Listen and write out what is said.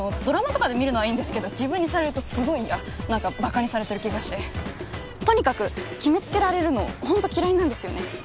ドラマとかで見るのはいいんですけど自分にされるとすごい嫌何かバカにされてる気がしてとにかく決めつけられるのホント嫌いなんですよね